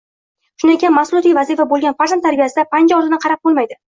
Shunday ekan, mas’uliyatli vazifa bo‘lgan farzand tarbiyasiga panja ortidan qarab bo‘lmaydi